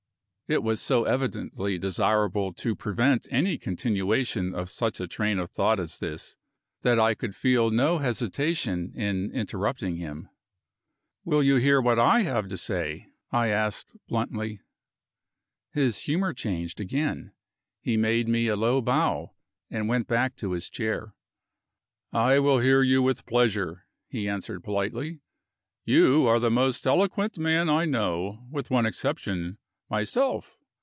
It was so evidently desirable to prevent any continuation of such a train of thought as this, that I could feel no hesitation in interrupting him. "Will you hear what I have to say?" I asked bluntly. His humor changed again; he made me a low bow, and went back to his chair. "I will hear you with pleasure," he answered politely. "You are the most eloquent man I know, with one exception myself.